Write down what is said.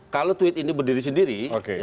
kalau tweet ini berdiri sendiri